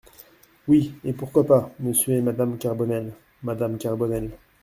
Oui, et pourquoi pas "Monsieur et madame Carbonel ?" Madame Carbonel.